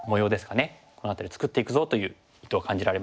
この辺りを作っていくぞという意図を感じられますよね。